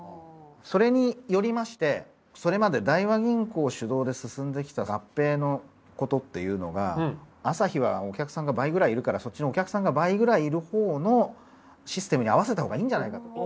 それによりましてそれまで大和銀行主導で進んできた合併の事っていうのがあさひはお客さんが倍ぐらいいるからそっちのお客さんが倍ぐらいいる方のシステムに合わせた方がいいんじゃないかと。